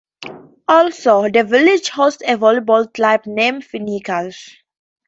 Also, the village hosts a volleyball club, named Finikas.